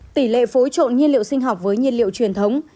tỷ lệ phối trộn nhiên liệu sinh học với nhiên liệu truyền thống